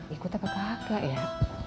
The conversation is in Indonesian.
ikut apa kagak ya